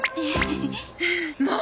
もう！